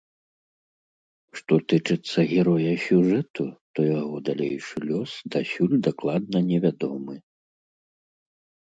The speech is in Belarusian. Што тычыцца героя сюжэту, то яго далейшы лёс дасюль дакладна невядомы.